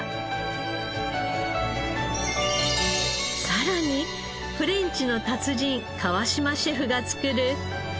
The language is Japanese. さらにフレンチの達人川島シェフが作る。